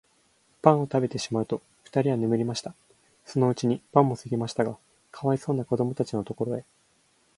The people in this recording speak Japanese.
パンをたべてしまうと、ふたりは眠りました。そのうちに晩もすぎましたが、かわいそうなこどもたちのところへ、